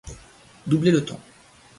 Doubler le temps.